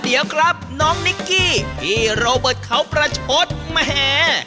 เดี๋ยวก่อน้องนิกกี้พี่โรบอทเขาประชตมะแหง